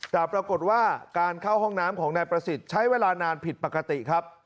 แต่ปรากฏว่าการเข้าห้องน้ำของนายประสิทธิ์ใช้เวลานานผิดปกติครับ